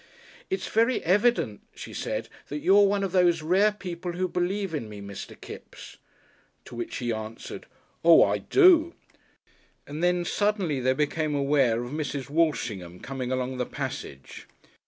"It's very evident," she said, "that you're one of those rare people who believe in me, Mr. Kipps," to which he answered, "Oo, I do!" and then suddenly they became aware of Mrs. Walshingham coming along the passage.